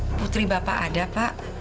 ibu putri bapak ada pak